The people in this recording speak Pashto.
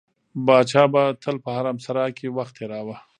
پاچا به تل په حرمسرا کې وخت تېراوه.